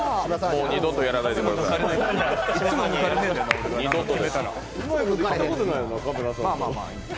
もう二度とやらないでください、二度と。